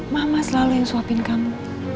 mama selalu yang sopin kamu